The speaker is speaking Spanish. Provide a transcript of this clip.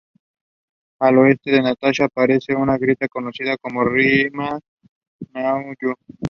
Al oeste de Natasha aparece una grieta conocida como Rima Wan-Yu.